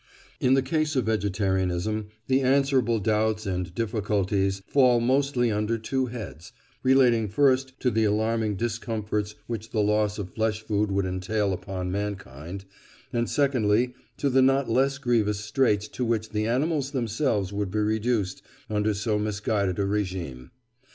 In the case of vegetarianism the answerable doubts and difficulties fall mostly under two heads, relating first to the alarming discomforts which the loss of flesh food would entail upon mankind, and secondly to the not less grievous straits to which the animals themselves would be reduced under so misguided a régime.